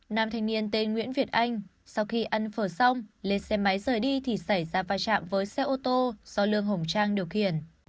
nam thanh niên tên nguyễn việt anh sau khi ăn phở xong lên xe máy rời đi thì xảy ra vai trạm với xe ô tô do lương hồng trang điều khiển